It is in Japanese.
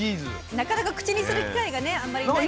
なかなか口にする機会があんまりない。